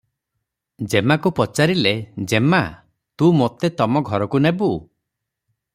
ଯେମାକୁ ପଚାରିଲେ- ଯେମା! ତୁ ମୋତେ ତମ ଘରକୁ ନେବୁ?